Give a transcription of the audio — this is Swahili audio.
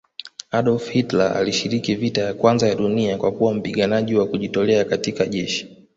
Adolf Hilter alishiriki vita ya kwanza ya dunia kwakuwa mpiganaji Wa kujitolea katika jeshi